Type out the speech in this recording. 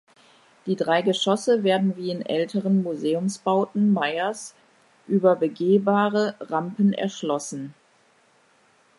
Die drei Geschosse werden wie in älteren Museumsbauten Meiers über begehbare Rampen erschlossen.